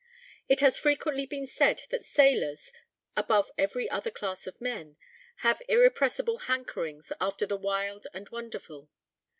It has frequently been said that sailors, above every other class of men, have irrepressible hankerings after the wild and wonderful.